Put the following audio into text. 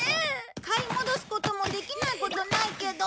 買い戻すこともできないことないけど。